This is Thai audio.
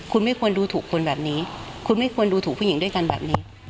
คุณไม่ควรดูถูกคนแบบนี้คุณไม่ควรดูถูกผู้หญิงด้วยกันแบบนี้